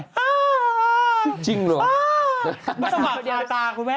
อ้าวอ้าวอ้าวพี่พลบอกจริงสมัครลาตาคุณแม่